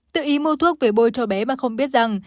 tự ý mua thuốc về bôi cho bé mà không biết rằng